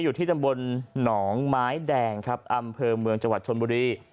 อยู่ที่ตำบลหนองไม้แดงครับอำเภอเมืองจังหวัดชนบุรี